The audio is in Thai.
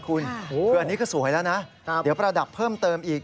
คืออันนี้ก็สวยแล้วนะเดี๋ยวประดับเพิ่มเติมอีก